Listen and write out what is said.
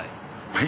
はい？